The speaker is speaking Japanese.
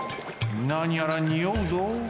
なにやらにおうぞ。